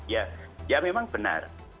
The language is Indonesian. ya ya memang benar